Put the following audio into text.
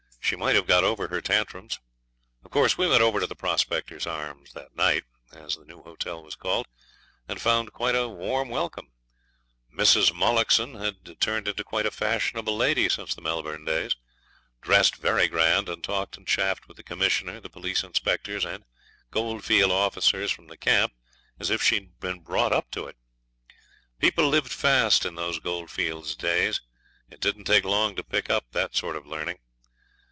She might have got over her tantrums. Of course we went over to the Prospectors' Arms that night, as the new hotel was called, and found quite a warm welcome. Mrs. Mullockson had turned into quite a fashionable lady since the Melbourne days; dressed very grand, and talked and chaffed with the commissioner, the police inspectors, and goldfield officers from the camp as if she'd been brought up to it. People lived fast in those goldfields days; it don't take long to pick up that sort of learning.